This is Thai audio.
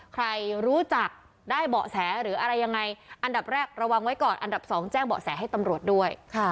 ใครรู้จักได้เบาะแสหรืออะไรยังไงอันดับแรกระวังไว้ก่อนอันดับ๒แจ้งเบาะแสให้ตำรวจด้วย